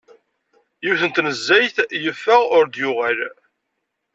Yiwet n tnezzayt yeffeɣ ur d-yuɣal.